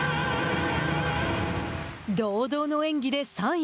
堂々の演技で３位。